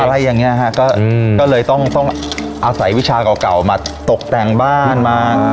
อะไรอย่างเงี้ยฮะก็เลยต้องต้องอาศัยวิชาเก่าเก่ามาตกแต่งบ้านมา